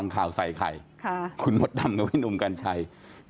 คุณมดดำวินลุ้มกัญชัย